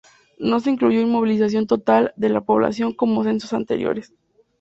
No se incluyó inmovilización total de la población como en censos anteriores.